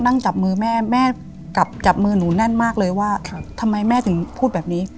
นั่งจับมือแม่แม่กลับจับมือหนูแน่นมากเลยว่าทำไมแม่ถึงพูดแบบนี้